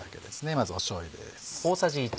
まずしょうゆです。